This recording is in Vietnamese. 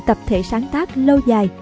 tập thể sáng tác lâu dài